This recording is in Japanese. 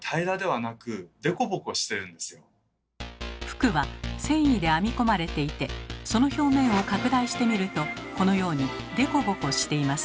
服は繊維で編み込まれていてその表面を拡大してみるとこのようにデコボコしています。